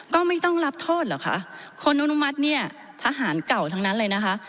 ก็ไม่ต้องรับโทษเหรอคะคนอนุมัติเนี่ยทหารเก่าทั้งนั้นเลยนะคะ